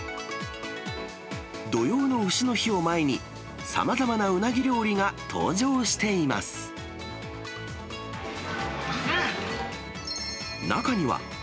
土用のうしの日を前に、さまざまなうなぎ料理が登場しています。